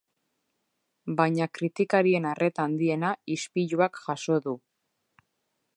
Baina kritikarien arreta handiena ispiluak jaso du.